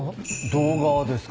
動画ですか？